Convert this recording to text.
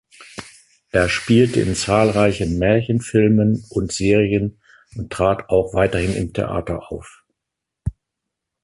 Er spielte in zahlreichen Märchenfilmen und Serien und trat auch weiterhin im Theater auf.